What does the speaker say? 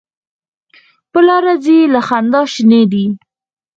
په لاره ځي له خندا شینې دي.